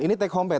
ini take home pay